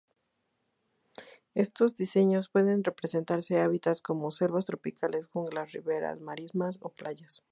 Estos diseños pueden representar hábitats como selvas tropicales, junglas, riveras, marismas, o playas.